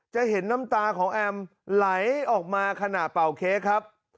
จะเห็นน้ำตาของแอมไหลออกมาขณะเป่าเค้กครับ